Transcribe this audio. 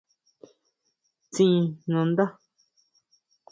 Tsín nandá.